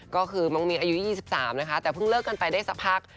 ก็คือน้องมีอายุ๒๓นะคะแต่เพิ่งเลิกกันไปได้สักพัก